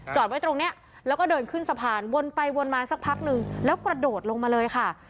ไว้ตรงนี้แล้วก็เดินขึ้นสะพานวนไปวนมาสักพักนึงแล้วกระโดดลงมาเลยค่ะ